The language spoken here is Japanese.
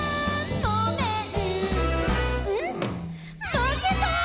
まけた」